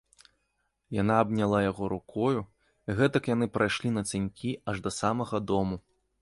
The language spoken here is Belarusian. Яна абняла яго рукою, і гэтак яны прайшлі нацянькі аж да самага дому.